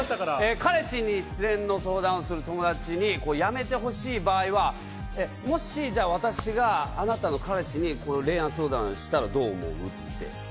彼氏に失恋の相談をする友達にやめて欲しい場合は、もし、じゃあ、私があなたの彼氏に恋愛相談したらどう思う？